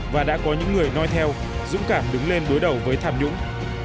và đã có những người nói theo dũng cảm đứng lên đối đầu với tham nhũng